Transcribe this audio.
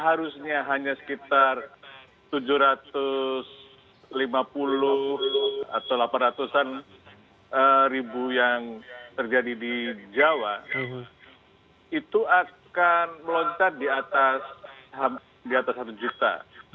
harusnya hanya sekitar tujuh ratus lima puluh atau delapan ratus an ribu yang terjadi di jawa itu akan melontar di atas satu juta